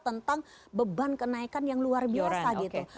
tentang beban kenaikan yang luar biasa gitu